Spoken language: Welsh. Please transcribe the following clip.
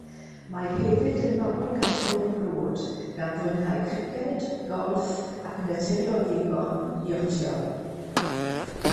Mae hefyd yn mabolgampwr brwd, gan fwynhau criced, golff ac yn naturiol ddigon, iotio.